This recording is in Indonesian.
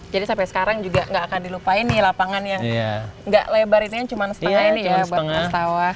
jadi sampai sekarang juga gak akan dilupain nih lapangan yang gak lebarinnya cuma setengah ini ya buat pras tawa